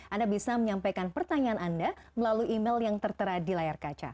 anda bisa menyampaikan pertanyaan anda melalui email yang tertera di layar kaca